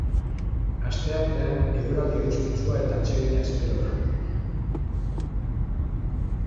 Asteartean eguraldi eguzkitsua eta atsegina espero da.